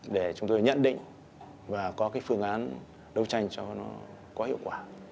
để chúng tôi nhận định và có cái phương án đấu tranh cho nó có hiệu quả